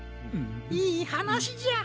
いいはなしじゃ。